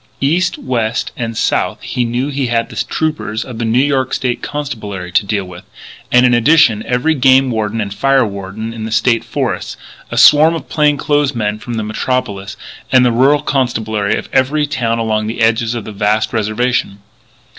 East, west and south he knew he had the troopers of the New York State Constabulary to deal with, and in addition every game warden and fire warden in the State Forests, a swarm of plain clothes men from the Metropolis, and the rural constabulary of every town along the edges of the vast reservation.